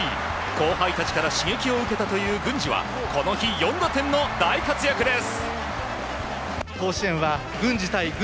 後輩たちから刺激を受けたという郡司はこの日、４打点の大活躍です。